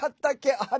あれ？